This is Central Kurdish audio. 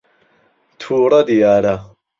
تووڕە دیارە.